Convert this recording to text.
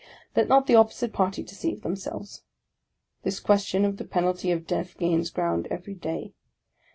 Let not the opposite party deceive themselves ; this question of the penalty of death gains ground every day.